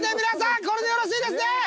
皆さんこれでよろしいですね？